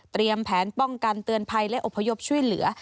แผนป้องกันเตือนภัยและอพยพช่วยเหลือ